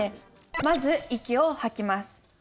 まず息を吐きます。